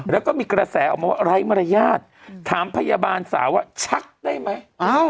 แล้วก็มีกระแสออกมาว่าไร้มารยาทถามพยาบาลสาวว่าชักได้ไหม